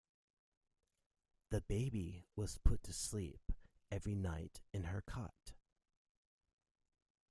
The baby was put to sleep every night in her cot